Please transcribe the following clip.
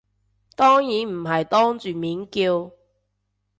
當然唔係當住面叫